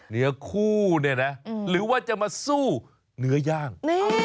เนื้อคู่เนี่ยนะหรือว่าจะมาสู้เนื้อย่าง